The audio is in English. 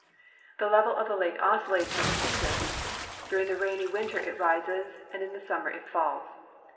The level of the lake oscillates with the seasons. During the rain}'' winter it rises, and in the summer it falls.